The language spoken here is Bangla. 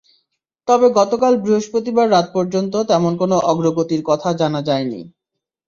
তবে গতকাল বৃহস্পতিবার রাত পর্যন্ত তেমন কোনো অগ্রগতির কথা জানা যায়নি।